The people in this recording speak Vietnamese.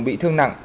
bị thương nặng